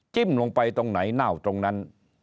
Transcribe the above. ลงไปตรงไหนเน่าตรงนั้น